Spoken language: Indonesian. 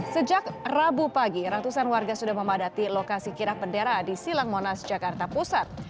sejak rabu pagi ratusan warga sudah memadati lokasi kirap bendera di silang monas jakarta pusat